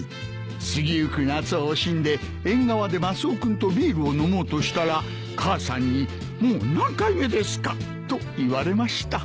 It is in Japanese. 過ぎゆく夏を惜しんで縁側でマスオ君とビールを飲もうとしたら母さんにもう何回目ですか！と言われました。